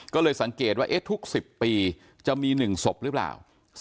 ก็เลยสังเกตว่าทุก๑๐ปีจะมี๑ศพหรือเปล่า